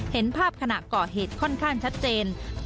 เห็นภาพขณะก่อเหตุค่อนข้างชัดเจน